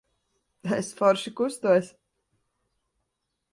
Es forši kustos.